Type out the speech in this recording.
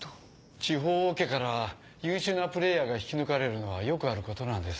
地方オケから優秀なプレーヤーが引き抜かれるのはよくあることなんです。